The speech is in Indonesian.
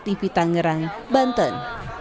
tv tangerang banten